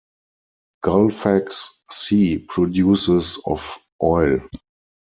Gullfaks C produces of oil.